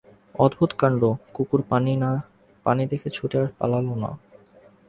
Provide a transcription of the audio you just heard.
অদ্ভুত কাণ্ড, কুকুর পানি দেখে ছুটে পালাল না!